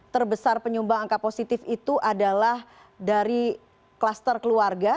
terbesar penyumbang angka positif itu adalah dari kluster keluarga